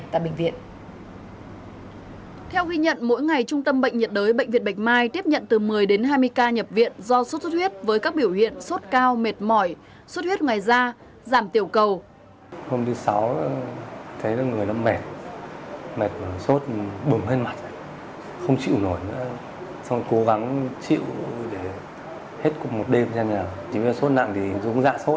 theo ghi nhận mỗi ngày trung tâm bệnh nhiệt đới bệnh viện bạch mai tiếp nhận từ một mươi đến hai mươi ca nhập viện do sốt xuất huyết với các biểu hiện sốt cao mệt mỏi sốt huyết ngoài da giảm tiểu cầu